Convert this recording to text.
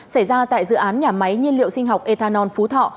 xảy ra tại dự án nhà máy nhiên liệu sinh học ethanol phú thọ